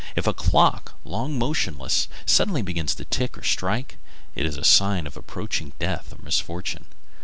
If a clock, long motionless, suddenly begins to tick or strike, it is a sign of approaching death or misfortune.